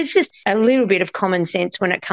pengguna dan milik tempat